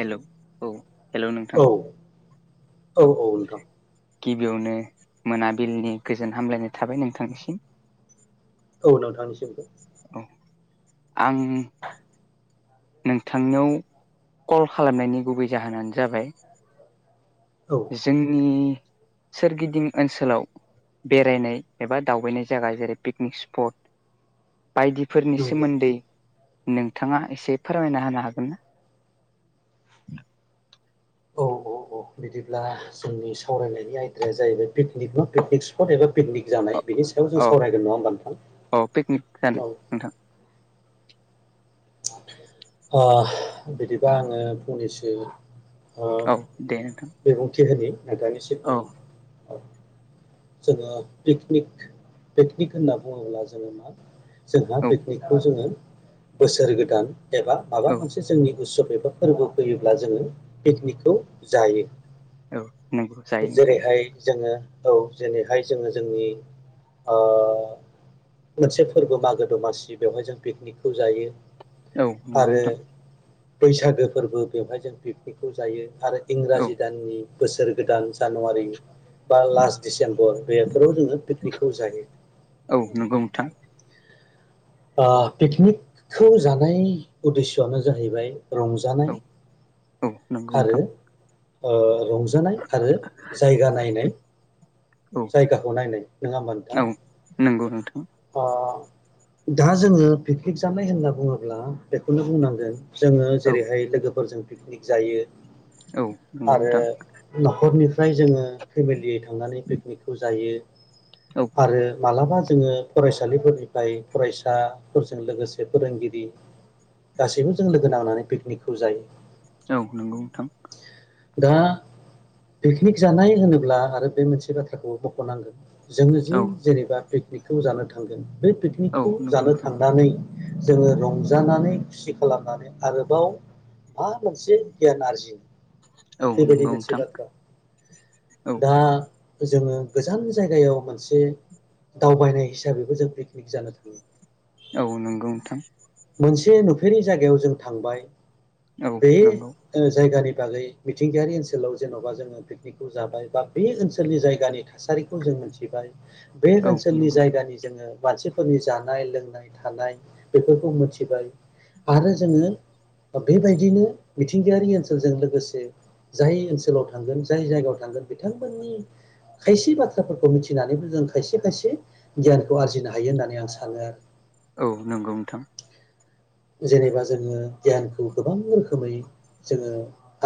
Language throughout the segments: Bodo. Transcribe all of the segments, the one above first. हेल' औ हेलौ नोंथां औ औ गिबियावनो मोनाबिलनि गोजोन हामलायनाय थाबाय नोंथांनिसिम औ नोंथांनिसिमबो औ आं नोंथांनियाव कल खालामनायनि गुबै जाहोनानो जाबाय औ जोंनि सोरगिदिं ओनसोलाव बेरायनाय एबा दावबायनाय जायगा जेरै पिकनिक स्पट बायदिफोरनि नंगौ सोमोन्दै नोंथाङा एसे फोरमायना होनो हागोन ना औ औ [inaudible] बिदिब्ला जोंनि सावरायनायनि आयदाया जाहैबाय पिकनिक ना पिकनिक स्पट एबा पिकनिक जानाय बेनि सायाव जों औ सावरायगोन नङा होमबा औ पिकनिक जानो नोंथां औ नोंथां बिदिबा आङो फंनैसो औ दे नोंथां न दानिस औ द [inaudible] जोङो पिकनिक पिकनिक होनना बुङोब्ला जोङो मा जोंहा औ पिकनिकखौ जोङो बोसोर गोदान एबा माबा औ मोनसे जोंनि उत्सब बबेबा फोरबो फैयोब्ला जोङो पिकनिकखौ जायो औ नंगौ जायो नोंथां जेरैहाय जोङो औ जेरैहाय जोङो जोंनि ओ मोनसे फोरबो मागो दमासि बेवहाय जों पिकनिकखौ जायो औ नंगौ आरो नोंथां बैसागो फोरबो बेवहाय जों पिकनिकखौ जायो आरो औ इंराजि दाननि बोसोर गोदान जानुवारि बा लास्ट डिसेम्बर बेफोराव जोङो पिकनिकखौ जायो औ नंगौ नोंथां ओ पिकनिकखौ जानाय उदेस'आनो जाहैबाय औ रंजानाय औ नंगौ आरो नोंथां ओ रंजानाय आरो जायगा नायनाय औ जायगाखौ नायनाय नङा होमबा नोंथां औ नंगौ नोंथां ओ दा जोङो पिकनिक जानाय होनना बुङोब्ला बेखौनो बुंनांगोन जोङो औ जेरैहाय लोगोफोरजों पिकनिक जायो औ नंगौ आरो नोंथां न'खरनिफ्राय जोङो फेमिलि थांनानै पिकनिकखौ जायो औ आरो मालाबा जोङो फरायसालिफोरनिफ्राय फरायसाफोरजों लोगोसे फोरोंगिरि गासैबो जों लोगो नांनानै पिकनिकखौ जायो औ नंगौ नोंथां दा पिकनिक जानाय होनोब्ला आरो बे मोनसे बाथ्राखौ बख'नांगोन जोङो जि औ जेनेबा पिकनिकखौ जानो थांगोन बे औ पिकनिकखौ नंगौ जानो नोंथां थांनानै जोङो रंजानानै खुसि खालामनानै आरोबाव मा मोनसे गियान आरजिनो औ बेबायदि नंगौ मोनसे नोंथां बाथ्रा औ दा जोङो गोजान जायगायाव मोनसे दावबायनाय हिसाबैबो जों पिकनिक जानो थाङो औ नंगौ नोंथां मोनसे नुफेरै जायगायाव जों थांबाय औ बे नंगौ जायगानि बागै मिथिंगायारि ओनसोलाव जेन'बा जोङो पिकनिकखौ जाबाय बा बे ओनसोलनि जायगानि थासारिखौ जोङो मोनथिबाय बे औ ओनसोलनि नंगौ नोंथां जायगानि जोङो मानसिफोरनि जानाय लोंनाय थानाय बेफोर मिथिबाय आरो जोङो बेबायदिनो मिथिंगायारि ओनसोलजों लोगोसे जाय ओनसोलाव थांगोन जाय जायगायाव थांगोन बिथांमोननि खायसे बाथ्राफोरखौ मिथिनानैबो जों खायसे खायसे गियानखौ आरजिनो हायो होननानै आं सानो आरो औ नंगौ नोंथां जेनेबा जोङो गियानखौ गोबां रोखोमै जोङो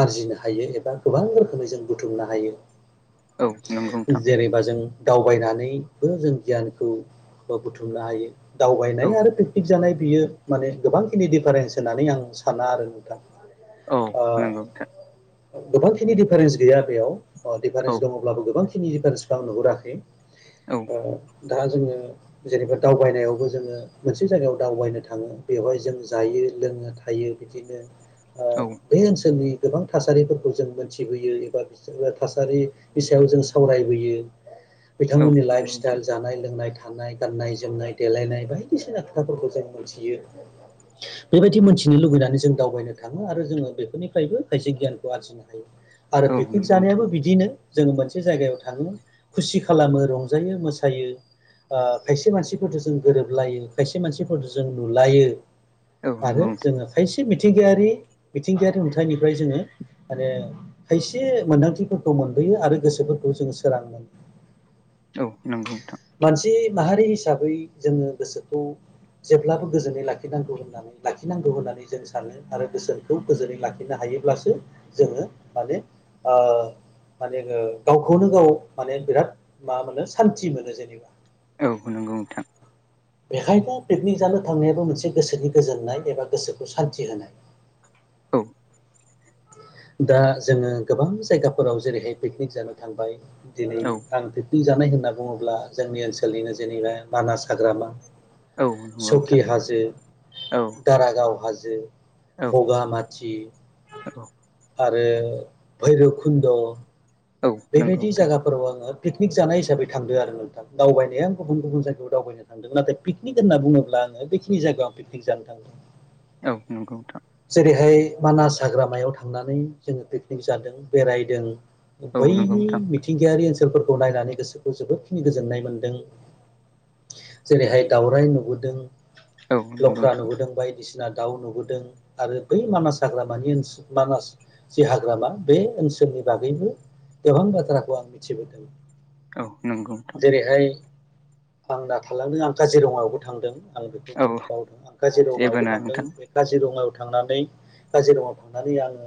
आरजिनो हायो एबा गोबां रोखोमै जों बुथुमनो औ नंगौ हायो नोंथां जेनेबा जों दावबायनानैबो जों गियानखौ बुथुमनो हायो औ दावबायनाय आरो पिकनिक जानाय बियो माने गोबांखिनि दिफारेन्स होननानै आं साना आरो नोंथां औ नंगौ बिथां गोबांखिनि दिफारेन्स गैया बेयाव औ दिफारेन्स दङब्लाबो गोबांखिनि दिफारेन्सखौ आं नुहुराखै औ ओ दा जोङो जेनेबा दावबायनायावबो जोङो मोनसे जायगायाव दावबायनो थाङो बेवहाय जों जायो लोङो थायो बिदिनो ओ औ बे ओनसोलनि गोबां थासारिफोरखौ जों मोनथिबोयो एबा थासारिनि सायाव जों सावरायबोयो औ बिथांमोननि लाइफ नंगौ नोंथां स्टाइल जानाय लोंनायखौ थानाय गाननाय जोमनाय देलायनाय बायदिसिना खोथाफोरखौ जों मिथियो [inaudible] बेबायदि मोन्थिनो लुुबैनानै जों दावबायनो थाङो आरो जोङो बेफोरनिफ्रायबो खायसे गियानखौ आरजिनो हायो आरो औ पिकनिक नंगौ नोंथां जानायाबो बिदिनो जोङो मोनसे जायगायाव थाङो खुसि खालामो रंजायो मोसायो ओ खायसे मानसिफोरजों जों गोरोबलायो खायसे मानसिफोरफोरखौ जों नु लायो औ आरो नंगौ नोंथां जोङो खायसे मिथि मिथिंगायारि मिथिंगायारि नुथायनिफ्राय जोङो माने खायसे मोनदांथिफोरखौ मोनबोयो आरो गोसोफोरखौ जों सोरां मोनो औ नंगौ नोंथां मानसि माहारि हिसाबै जोङो गोसोखौ जेब्लाबो गोजोनै लाखिनांगौ होननानै लाखिनांगौ होननानै जों सानो आरो गोसोनखौ गोजोनै लाखिनो हायोब्लासो जोङो माने ओ माने गावखौनो गाव माने बिराद मा मोनो सान्थि मोनो जेनेबा औ नंगौ नोंथां बेखायनो पिकनिक जानो थांनायाबो मोनसे गोसोनि गोजोननाय एबा गोसोखौ सान्थि होनाय औ दा जोङो गोबां जायगाफोराव जेरैहाय पिकनिक जानो थांबाय दिनै औ आं जानाय होनना बुङोब्ला जोंनि ओनसोलनिनो जेनेबा मानास हाग्रामा औ नंगौ नोंथां सकि हाजो औ दारागाव हाजो बगा माथि औ आरो भैरब खुन्द' औ नंगौ बेबायदि नोंथां जायगाफोराव आङो पिकनिक जानाय हिसाबै थांदों आरो नोंथां दावबायनाया गुबुन गुबुन जायगायाव दावबायनो थांदों नाथाय पिकनिक होनना बुङोब्ला बेखिनि जायगायाव आं पिकनिक जानो थांदों औ नंगौ नोंथां जरैहाय मानास हाग्रामायाव थांनानै जोङो पिकनिक जादों बेरायदों औ बै नंगौ नोंथां मिथिंगारि फोरखौ नायनानै गोसोखौ जोबोदखिनि गोजोननाय मोनदों जेरैहाय दावराय नुबोदों औ नंगौ लख्रा नोंथां नुबोदों बायदिसिना दाउ नुबोदों आरो बै मानास हाग्रामानि ओनसोल मानास जि हाग्रामा बे ओनसोलनि बागैबो गोबां बाथ्राखौ आं मिथिबोदों औ नंगौथ' आं दा थालांदों आं काजिरङायावबो थांदों आं बेखौ औ बुंनो बावदों आं जेबो काजिरङायावबो नङा थांदों नोंथां बे काजिरङायाव थांनानै काजिरङायाव थांनानै आङो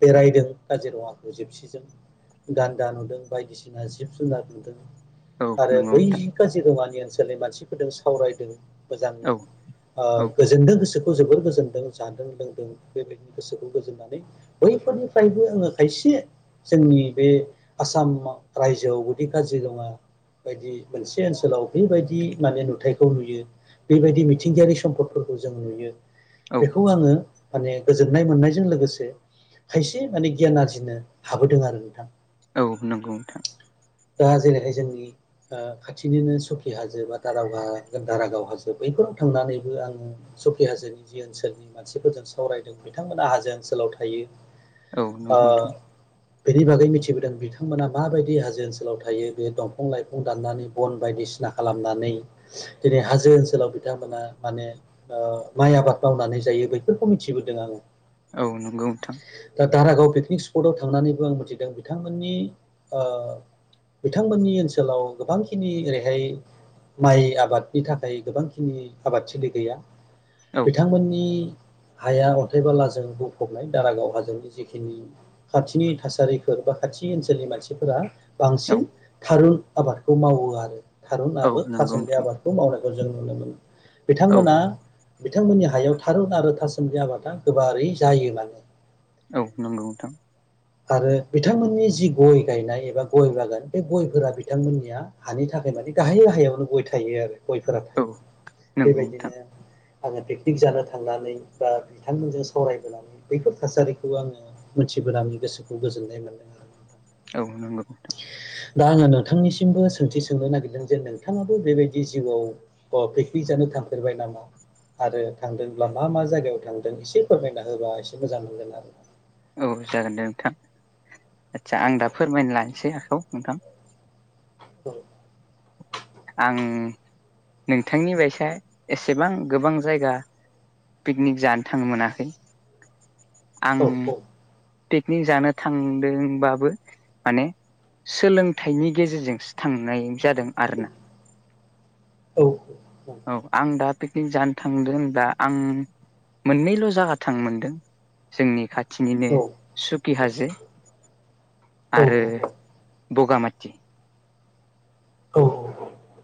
बेरायदों काजिरङाखौ जिबसिजों गान्दा नुदों बायदिसिना जिब जुनार नुदों औ आरो नंगौ बै नोंथां काजिरङानि ओनसोलनि मानसि होदों सावरायदों मोजांङै औ औ गोजोनदों गोसोखौ जोबोर गोजोनदों जादों लोंदों बेबायदिनो गोसोखौ गोजोननानै बैफोरनिफ्रायबो आङो खायसे जोंनि बे आसाम रायजोआव बे काजिरङा बायदि मोनसे ओनसोलाव बेबायदि माने नुथायखौ नुयो बेबायदि मिथिंगायारि सम्पदफोरखौ जों नुयो औ बेखौ आङो माने गोजोननाय मोननायजों लोगोसे खायसे माने गियान आरजिनो हाबोदों आरो नोंथां औ नोंगौ नोंथां। दा जेरैहाय जोंनि ओह खाथिनिनो सखि हाजो बा दारागा गदारागाव हाजो। [unintelligible] बैफोराव थांनानैबो आङो सखि हाजोनि। जि ओनसोलनि मानसिफोरजों सावरायदों बिथांमोना हाजो ओनसोआवथायो। औ नंगौ नोंथां। बेनि बागै मिथिबोदों बिथांमोना माबायदि हाजो ओनसोलाव थायो बे दंफं लाइफं दाननानै बन बायदिस सिना खालामनानै जेरै हाजो ओनसोलाव बिथांमोना माने ओह माइ आबाद। मावनानै जायो बैफोरखौ मिथिबोदों आंङो। औ नोंगौ नोंथां। दरागाव पिकनिक स्पटआव थांनानैबो आं मिथिदों बिथांमोननि ओह बिथांमोननि ओनसोलाव गोबांखिनि ओरैहाय माइ आबादनि थाखाय गोबांखिनि आबाद थिलिगैया औ बिथांमोननि हाया अन्थाइ बालाजों बुंफबनाय दारागाव हाजोंनि जिखिनि खाथिनि थासारिफोर। बा खाथि ओनसोलनि मानसि फोरा औ बांसिन थारुन आबादखौ मावोआरो थारुन औ आरो था नंगौ सुमनि नोंथां आबादखौ मावनाय [unintelligible] जों नुनोमोनो औ बिथांमोना बिथांमोननि हायाव थारुन आरो थासुमलि आबादा गोबारै जायो माने। औ नोंगौ नोंथां। आरो बिथांमोननि जि गय गायनाय एबा गय बागान बे गय फोरा बिथांमोननिया हानि थाख [unintelligible] मानि गाहाय गाहायावनो गय थायो आरो गयफोरा औ थायो नंगौ नोंथां बेबायदिनो आङो बेख निग जानो थांनानै बा बिथांमोनजों सावरायबोनानै बैफोर थासारिखौ आङो मोनथिबोनाङै। गोसोखौ गोजोननाय मोनोआरो। औ नंगौ दा आङो नोंथांनिसिमबो सोंथिसोंनो नागिरदों जे नोंथाङाबो बेबायदि जिउआव बहा पिखनिक जानो। थांफेरबाय नामा। आरो थांदोंब्ला मा मा जायगायाव थांदों इसे फोरमायना होबा एसे मोजां मोनगोनआरो। औ जागोनदे नोंथां, आदसा आंदा फोरमायना लानोसै आखायाव नोंथां। [inaudible] आं नोंथांनि बायसा एसेबां गोबां जायगा। पिकनिकजानो थांनो मोनाखै आं औ पिकनि जानो थांदों बाबो माने सोलोंथाइनि गेजेरजोंसो थांनायजादों आरोना। औ। औ आं दा पिकनिक जानो थांदो होनब्ला आं। मोननैल' जागा थांनो मोनदों जोंनि खाथिनिनो सुब कि हाजो औ आरो बगामाति। औ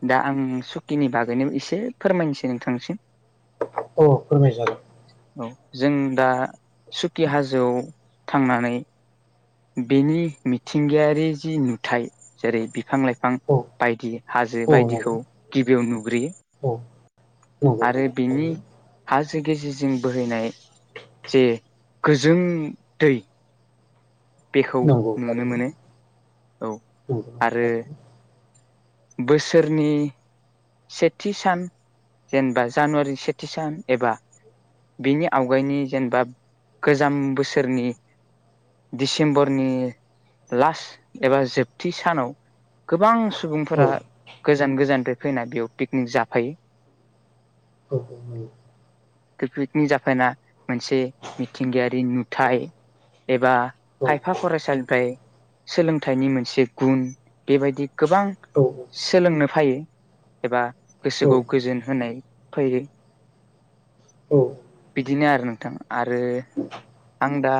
दा आं सुकिनि बागैनो इसे फोरमायनोसै नोंथांनिसिम। औ फोरमायजागोन। औ जों दा सुकि हाजोवाव थांनानै बेनि मिथिंगायारि जि नुथाइ जेरै बिफां लाइफां औ बायदि। हाजो औ नंगौ बायदिखौ गिबियाव नुग्रोयो औ नंगौ नंगौ आरो बेनि। थारैनो हाजो गेजेजों बोहैनाय जे गोजोङ दै। बेखौ नंगौ थारैनो नुनोमोनो औ नंगौ नंगौ आरो थारैनो बोसोरनि। सेथि सान जेनबा जानुवारि सेथिसान एबा। बिनि आवगायनि जेनबाब गोजाम बोसोरनि डिसिम्बरनि लास एबा जोबथि सानाव गोबां औ सुबुंफोरा गोजान गोजानफाय फैना बेयाव पिकनिक जाफायो। [inaudible] पिकनिकनि जाफाना मोनसे मिथिंगायारि नुथाय एबा खायफा फरायसालिफ्राय सोलोंथाइनि मोनसे गुन बेबायदि गोबां सोलोंनो फायो एबा औ गोसोखौ गोजोन होनाय फैयो ओ बिदिनो आरो नोंथां। आरो आं दा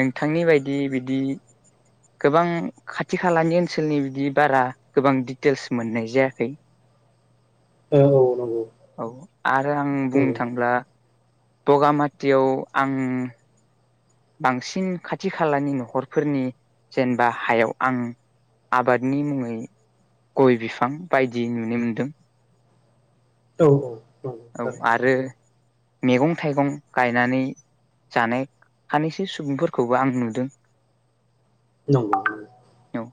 नोंथांनि बायदि बिदि गोबां खाथि खालानि ओनसोलनि बिदि बारा गोबां दिडिटेल्स मोननाय जायाखै। औ नंगौ औ आरो आं नंगौ बुंनो थांब्ला बगामाथियाव आं बांसिन खाथि खालानि न'खरफोरनि जेनेबा हायाव आं आबादनि मुंङै गय बिफां बायदि नुनो मोन्दों। औ औ औ। औ आरो मैगं थाइगं गायनानै जानाय। सानैसो सुबुंफोरखौबो आं नुदों। नंगौ नंगौ। औ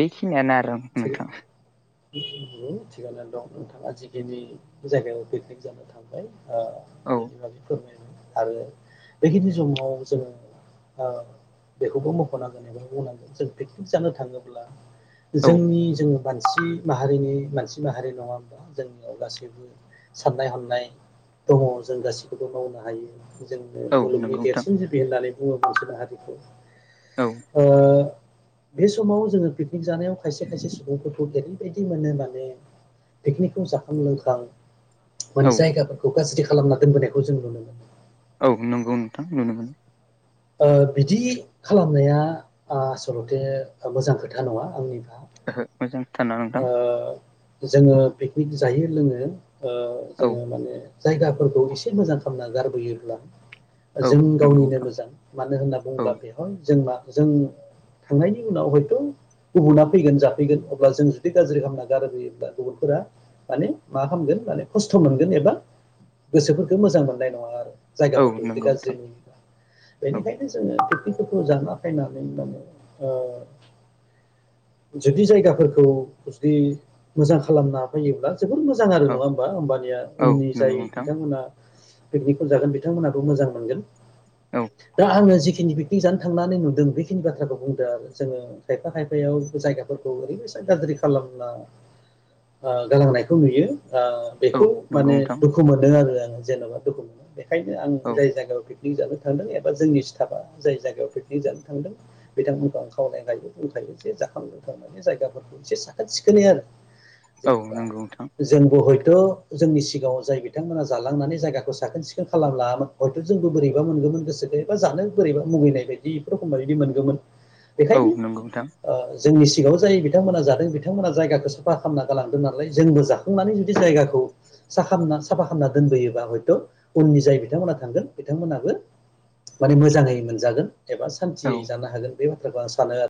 बेखिनियानो आरो थिग नोंथां। थिगानो दं नोंथां जिखि जायगायाव पिकनिक जानो थांबाय। औ बिदि माबि फोरमायदों आरो बेखिनि समाव जोंङो। बेखौबो मखनांगोन एबा बुंनांगोन जों पिकनिक जानो थांङोब्ला। औ जोंनि जोंङो। मानसि माहारिनि मानसि माहारि नंङा होमबा जोंनियाव गासैबो साननाय हनाय। दंङ जों गासिखौबो मावनो हायो। जोंनो औ मुलुगनि नंगौ नोंथां देरसिन जिबि होननानै बुङो मोनसे हारिखौ। औ बे समाव जोंङो पिकनिक जानायाव खायसे खायसे सुबुंफोरखौ मोनो माने पिकनिकखौ जाखां लोंखां माने औ जायगाफोरखौ गाज्रि खालाम। खालामना दोनबोनायखौ जों नुनो मोनो। औ नंगौ नोंथां नुनो मोनो। बिदि खालामनाया आसलथे मोजां खोथा नंङा आंनि ओहो मोजां। खोथाना नोंथां जोंङो पिकनिक जायो लोङो औ जोंङो माने जायगाफोरखौ एसे मोजां खालामना गारबोयोब्ला औ जों नंगौ गावनिनो नोंथां मोजां मानो होनना औ बुंङोब्ला बेहाय जों मा जों थांनायनि उनाव हयथ गुबुना फैगोन जाफैगोन अब्ला जों गाज्रि खालामना गारबोयोब्ला गुबुनफोरा माने मा खालामगोन माने खस्थ मोनगोन एबा गोसोफोरखौ मोजां मोननाय नंङा आरो। औ जायगाफोरखौ जुदि नंगौ गाज्रि नोंथां नुयोब्ला औ बेनिखायनो जोंङो। फोरखौ जाना फैनानै जुदि जायगाफोरखौ जुदि मोजां खालामना फैयोब्ला जोबोर मोजां आरो नंङा औ होमबा होमबानिया औ उननि जाय नंगौ नोंथां बिथांमोना पिकनिकखौ जागोन बिथांमोनाबो मोजां मोनगोन औ दा आंङो जिखिनि खिनि पिकनिक जानो थांनानै नुदों बेखिनि बाथ्राखौ बुंदो आरो जोंङो खायफा खायफायाव जायगाफोरखौ ओरैबायदि गाज्रि खालामना गालांनायखौ नुयो। औ बेखौ नंगौ माने नोंथां दुखु मोनदों आरो आंङो जेनबा दुखु मोनो बे। ओंखायनो आं औ जाय जायगायाव पिकनिक जानो थांदों एबा जोंनि सिथाफा जाय जायगायाव पिकनिक जानो थांदों बिथांमोनखौ आं खावलायखायो बुंखायो जे थांनो थांनानै जायगाफोरखौ एसे साखोन सिखोनै आरो औ जेनेबा नंगौ नोंथां जोंबो हयथ। जोंनि सिगांङाव जाय बिथांमोना जालांनानै जायगाखौ साखोन सिखोन खालामलाङामोन हयथ जोंबो बोरैबा मोनगौमोन। गोसोखो एबा जानो बोरैबा मुगैनाय बादि एखमबा मोनगौमोन। औ बेखायनो नंगौ नोंथां। जोंनि सिगांङाव जाय बिथांमोना जादों बिथांमोना जायगाखौ साफा खालामना गालांदों नालाय जोंबो जाखांनानै जुदि जायगाखौ ना साफा खालामना दोनबोयोबा हयथ उननि जाय बिथांमोना थांगोन बिथांमोनाबो। माने मोजांङै मोनजागोन एबा सान्थियै औ जानो हागोन बे बाथ्राखौ आं सानो आरो